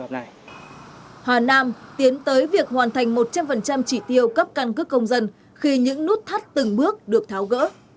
hà nam tiến tới việc hoàn thành một trăm linh chỉ tiêu cấp căn cước công dân khi những nút thắt từng bước được tháo gỡ